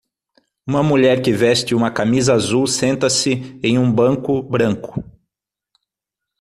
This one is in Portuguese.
Uma mulher que veste uma camisa azul senta-se em um banco branco.